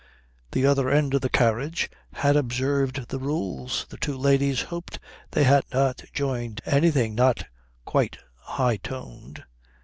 The other end of the carriage had observed the rules. The two ladies hoped they had not joined anything not quite high toned.